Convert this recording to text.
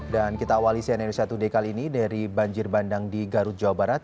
dan kita awal isian indonesia today kali ini dari banjir bandang di garut jawa barat